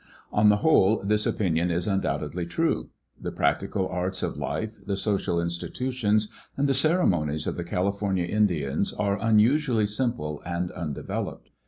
On the whole this opinion is undoubtedly true. The practical arts of life, the social institutions, and the ceremonies of the California Indians are unusually simple and undeveloped.